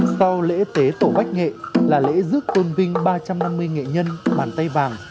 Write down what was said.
sau lễ tế tổ bách nghệ là lễ rước tôn vinh ba trăm năm mươi nghệ nhân bàn tay vàng